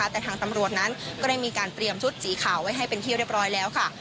แต่ทางตำรวจนั้นก็ได้มีการเตรียมชุดสีขาวไว้ให้เป็นที่เรียบร้อยแล้วค่ะ